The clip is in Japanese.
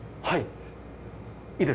はい。